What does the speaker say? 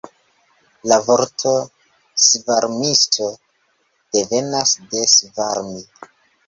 La vorto svarmisto devenas de svarmi.